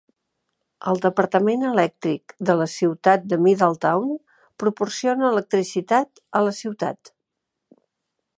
El departament elèctric de la ciutat de Middletown proporciona electricitat a la ciutat.